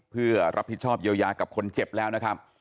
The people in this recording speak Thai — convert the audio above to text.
เพื่อรับผิดชอบเยียวยากับคนเจ็บแล้วนะครับ